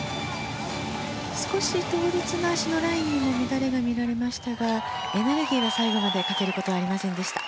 少し倒立の足のラインに乱れが見られましたがエネルギーは最後まで欠けることはありませんでした。